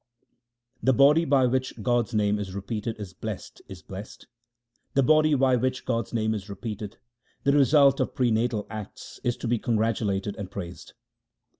The body by which God's name is repeated is blest, is blest. The body by which God's name is repeated, the result of prenatal acts, is to be congratulated and praised.